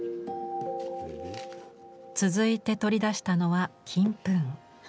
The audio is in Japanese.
続いて取り出したのは金粉。